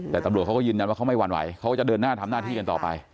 แต่ตำรวจเขาก็ยืนยันว่าเขาไม่หวั่นไหวเขาจะเดินหน้าทำหน้าที่กันต่อไป